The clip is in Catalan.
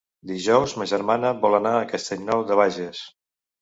Dijous ma germana vol anar a Castellnou de Bages.